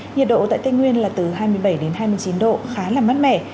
nhiệt độ tại tây nguyên là từ hai mươi bảy đến hai mươi chín độ khá là mát mẻ